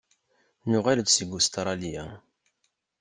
Nuɣal-d seg Ustṛalya.